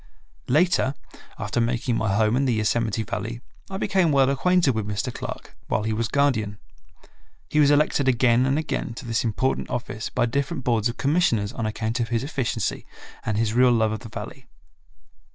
Later, after making my home in the Yosemite Valley, I became well acquainted with Mr. Clark, while he was guardian. He was elected again and again to this important office by different Boards of Commissioners on account of his efficiency and his real love of the Valley.